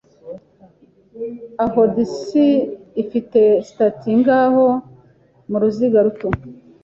Aho Dis ifite status ngaho muruziga ruto